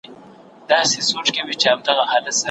سیلانیان د تاریخي کلاګانو لیدو ته ځي.